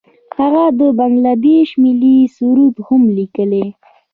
هغه د بنګله دیش ملي سرود هم لیکلی.